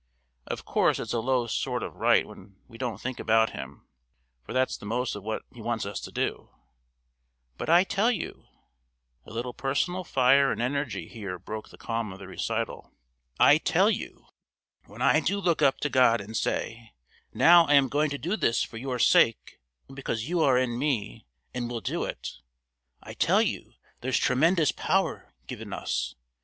Of course it's a low sort of right when we don't think about Him, for that's the most of what He wants us to do; but I tell you" (a little personal fire and energy here broke the calm of the recital), "I tell you, when I do look up to God and say, 'Now I am going to do this for Your sake and because You are in me and will do it,' I tell you, there's tremendous power given us.